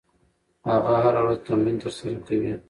هغه هره ورځ تمرین ترسره کوي.